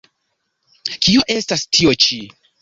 Kio estas tio-ĉi?